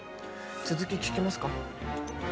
続き聞きますか？